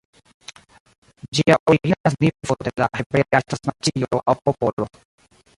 Ĝia origina signifo de la hebrea estas "nacio" aŭ "popolo".